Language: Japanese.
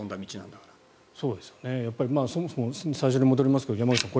そもそも最初に戻りますが山口さん